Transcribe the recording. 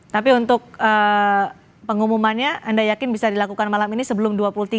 tapi untuk pengumumannya anda yakin bisa dilakukan malam ini sebelum dua puluh tiga